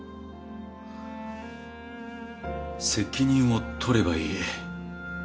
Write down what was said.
責任を取ればいい。